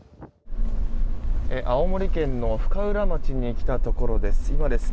青森県の深浦町に来たところです。